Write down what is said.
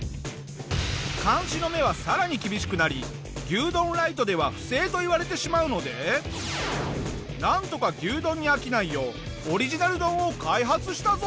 監視の目はさらに厳しくなり「牛丼ライトでは不正」と言われてしまうのでなんとか牛丼に飽きないようオリジナル丼を開発したぞ！